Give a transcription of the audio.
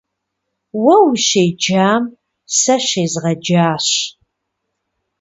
Уэ ущеджам сэ щезгъэджащ.